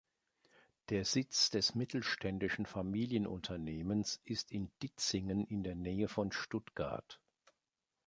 Der Sitz des mittelständischen Familienunternehmens ist in Ditzingen in der Nähe von Stuttgart.